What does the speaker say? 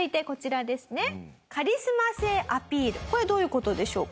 これどういう事でしょうか？